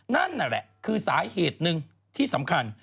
นั่นแหละคือสาเหตุหนึ่งที่สำคัญ